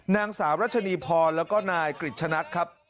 นางสาวรัชนีพรแล้วก็นายกริจชนัดครับ